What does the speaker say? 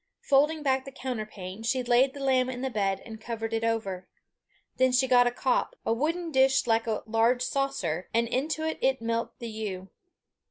Folding back the counterpane, she laid the lamb in the bed, and covered it over. Then she got a caup, a wooden dish like a large saucer, and into it milked the ewe.